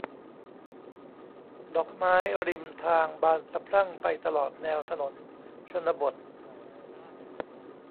ดอกไม้ริมทางบานสะพรั่งไปตลอดแนวถนนชนบท